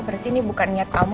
berarti ini bukan niat kamu